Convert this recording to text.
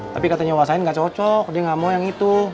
tapi katanya wasain gak cocok dia gak mau yang itu